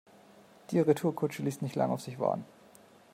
Die Retourkutsche ließ nicht lange auf sich warten.